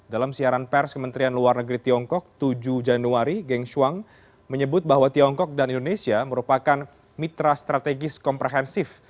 dalam siaran pers kementerian luar negeri tiongkok tujuh januari geng shuang menyebut bahwa tiongkok dan indonesia merupakan mitra strategis komprehensif